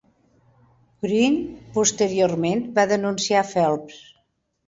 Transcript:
Green posteriorment va denunciar a Phelps.